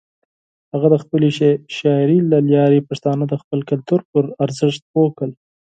هغه د خپلې شاعرۍ له لارې پښتانه د خپل کلتور پر ارزښت پوه کړل.